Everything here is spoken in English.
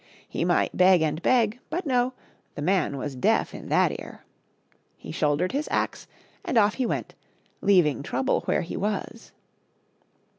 He might beg and beg, but no, the man was deaf in that ear. He shouldered his axe and off he went, leaving Trouble where he was.